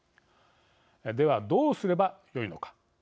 では、どうすればよいのか。